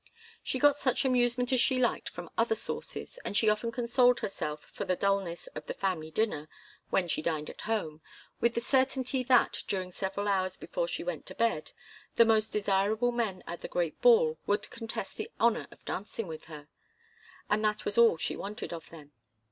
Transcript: She got such amusement as she liked from other sources, and she often consoled herself for the dulness of the family dinner, when she dined at home, with the certainty that, during several hours before she went to bed, the most desirable men at a great ball would contest the honour of dancing with her. And that was all she wanted of them.